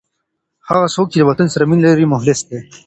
هغه څوک چي له وطن سره مینه لري، مخلص دی.